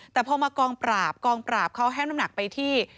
แต่พอมากองปราบกองปราบเขาแห้งน้ำหนักไปที่